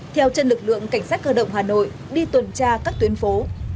theo chân lực lượng cảnh sát cơ động hà nội đi tuần tra các tuyến phố